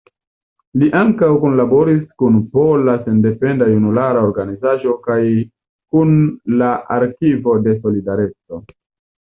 Li ankaŭ kunlaboris kun Pola Sendependa Junulara Organizaĵo kaj kun la Arkivo de Solidareco.